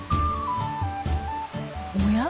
おや？